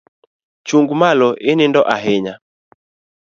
Chung malo , inindo ahinya